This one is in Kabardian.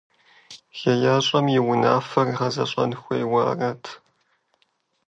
ХеящӀэм и унафээр гъэзэщӀэн хуейуэ арат.